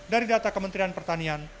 dari data kementerian pertanian